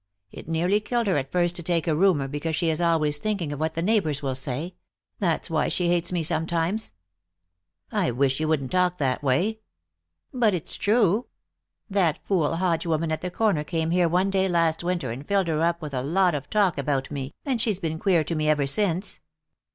It nearly killed her at first to take a roomer, because she is always thinking of what the neighbors will say. That's why she hates me sometimes." "I wish you wouldn't talk that way." "But it's true. That fool Hodge woman at the corner came here one day last winter and filled her up with a lot of talk about me, and she's been queer to me ever since."